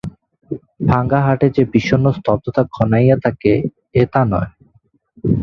ভাঙা হাটে যে বিষগ্ন স্তব্ধতা ঘনাইয়া থাকে এ তা নয়।